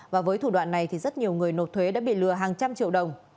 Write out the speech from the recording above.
và với thủ đoạn này thì rất nhiều người nộp thuế đã bị lừa hàng trăm triệu đồng